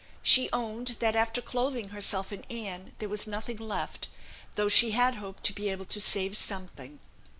She owned that, after clothing herself and Anne, there was nothing left, though she had hoped to be able to save something.